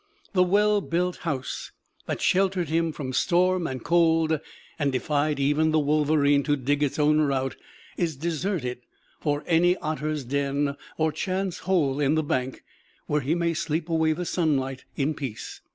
The well built house that sheltered him from storm and cold, and defied even the wolverine to dig its owner out, is deserted for any otter's den or chance hole in the bank where he may sleep away the sunlight in peace.